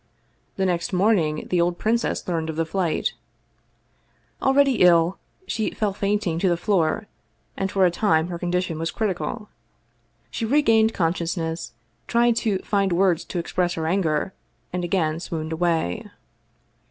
The next morning the old princess learned of the flight. Already ill, she fell fainting to the floor, and for a long time her condition was critical. She re gained consciousness, tried to find words to express her anger, and again swooned away.